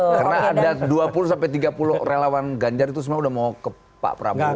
karena ada dua puluh tiga puluh relawan ganjar itu semua udah mau ke pak prabowo